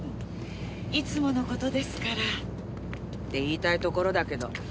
いつもの事ですからって言いたいところだけど。